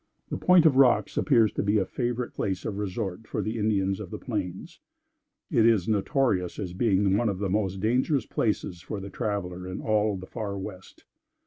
The "Point of Rocks" appears to be a favorite place of resort for the Indians of the plains. It is notorious as being one of the most dangerous places for the traveler in all the far West.